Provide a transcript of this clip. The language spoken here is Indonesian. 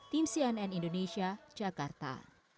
tim cnn indonesia jakarta